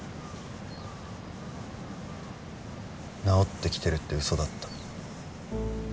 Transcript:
治ってきてるって嘘だった。